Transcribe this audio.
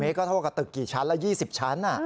๖๐เมตรก็เท่ากับตึกกี่ชั้นแล้ว๒๐ชั้นอ่ะ